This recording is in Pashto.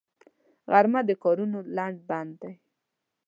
غرمه د کارونو لنډ بند دی